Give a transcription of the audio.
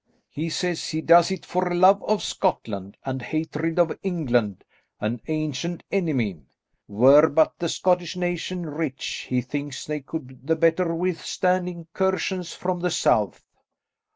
"He says he does it for love of Scotland and hatred of England; an ancient enemy. Were but the Scottish nation rich, he thinks they could the better withstand incursions from the south."